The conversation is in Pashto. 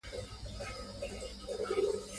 منی د افغانستان د جغرافیې بېلګه ده.